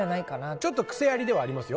ちょっと癖ありではありますよ。